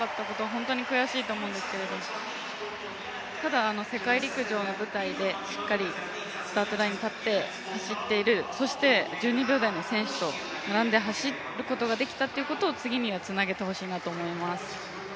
本当に悔しいと思うんですがただ、世界陸上の舞台でしっかりスタートラインに立って走っている、そして１２秒台の選手と並んで走ることができたということを次につなげてほしいなと思います。